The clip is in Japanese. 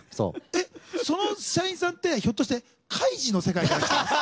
えっその社員さんってひょっとして『カイジ』の世界から来た？